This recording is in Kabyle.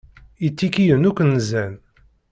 Itikiyen akk nzan.